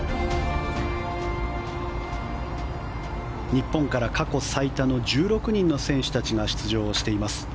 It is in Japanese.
日本から過去最多の１６人の選手たちが出場しています。